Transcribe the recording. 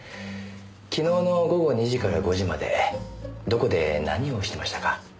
昨日の午後２時から５時までどこで何をしてましたか？